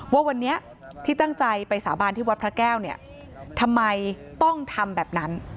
ว่าวันนี้ที่ตั้งใจไปสาบานที่วัดพระแก้วเนี่ยทำไมต้องทำแบบนั้น